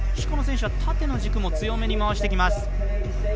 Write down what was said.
この選手は縦の軸も強めに回してきます。